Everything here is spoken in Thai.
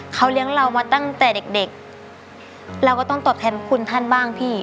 เขาเลี้ยงเรามาตั้งแต่เด็กเด็กเราก็ต้องตอบแทนคุณท่านบ้างพี่